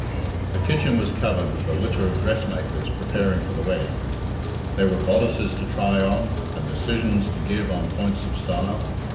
The kitchen was covered with the litter of dressmakers preparing for the wedding. There were bodices to try on, and decisions to give on points of style.